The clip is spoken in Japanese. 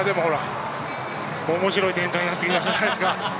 面白い展開になってきたんじゃないんですか。